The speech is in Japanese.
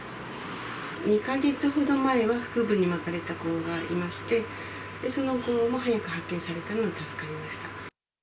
２か月ほど前は、腹部に巻かれた子がいまして、その子も早く発見されたので助かりました。